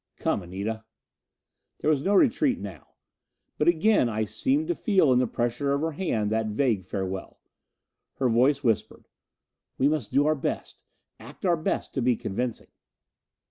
"Come, Anita." There was no retreat now. But again I seemed to feel in the pressure of her hand that vague farewell. Her voice whispered, "We must do our best, act our best to be convincing."